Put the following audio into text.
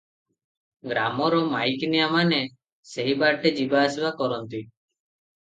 ଗ୍ରାମର ମାଇକିନିଆମାନେ ସେହିବାଟେ ଯିବାଆସିବା କରନ୍ତି ।